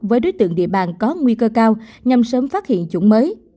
với đối tượng địa bàn có nguy cơ cao nhằm sớm phát hiện chủng mới